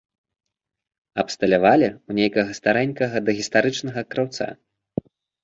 Абсталявалі ў нейкага старэнькага дагістарычнага краўца.